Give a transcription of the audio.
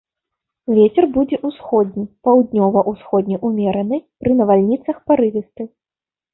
Вецер будзе ўсходні, паўднёва-ўсходні ўмераны, пры навальніцах парывісты.